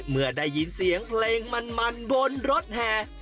เมื่อได้ยินเสียงเพลงมันบนรถแห่